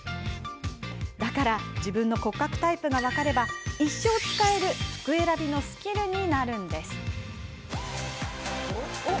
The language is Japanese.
だから自分の骨格タイプが分かれば一生使える服選びのスキルになるんです。